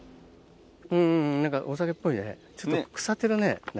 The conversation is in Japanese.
うんうん何かお酒っぽいねちょっと腐ってるね中。